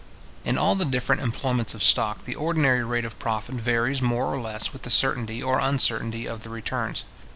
In all the different employments of stock, the ordinary rate of profit varies more or less with the certainty or uncertainty of the returns.